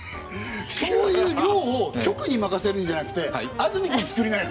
そういう寮を局に任せるんじゃなくて安住くんつくりなよ。